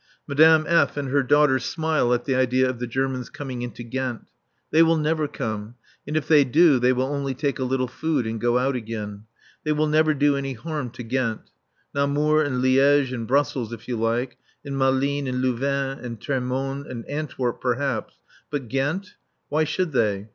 Madame F. and her daughter smile at the idea of the Germans coming into Ghent. They will never come, and if they do come they will only take a little food and go out again. They will never do any harm to Ghent. Namur and Liége and Brussels, if you like, and Malines, and Louvain, and Termonde and Antwerp (perhaps); but Ghent why should they?